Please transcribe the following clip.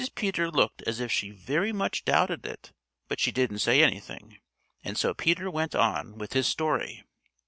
Peter looked as if she very much doubted it, but she didn't say anything, and so Peter went on with his story.